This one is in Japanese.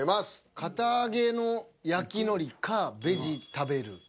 堅あげの焼きのりかベジたべる。